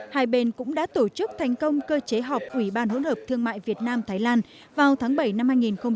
hai bên cũng đã tổ chức thành công cơ chế họp ủy ban hỗn hợp thương mại việt nam thái lan vào tháng bảy năm hai nghìn hai mươi